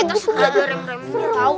terus ada rem rem yang tau